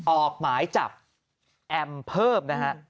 ออกหมายจับแอมเพิ่มนะฮะ